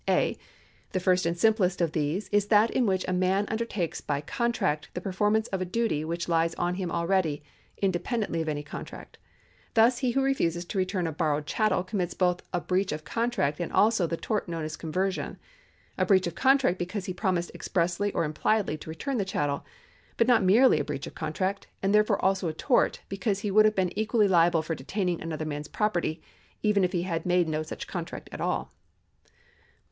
(a) The first and simplest of these is that in which a man undertakes by contract the performance of a duty which lies on him already, independently of any contract. Thus he who refuses to return a borrowed chattel commits both a breach of contract and also the tort known as conversion : a breach of contract, because he promised expressly or impliedly to return the chattel ; but not m.erely a breach of contract, and therefore also a tort, because he would have been equally liable for detaining another man's property, even if he had made no such contract at all.